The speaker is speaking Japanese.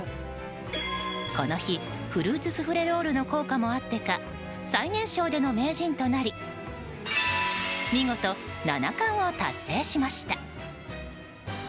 この日、フルーツスフレロールの効果もあってか最年少での名人となり見事、七冠を達成しました。